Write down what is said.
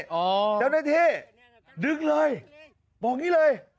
เจ้าหน้าที่ดึงเลยบอกอย่างนี้เลย